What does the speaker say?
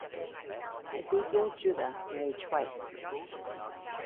Ezekiel Judah married twice.